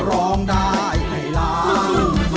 ร้องได้ให้ล้าน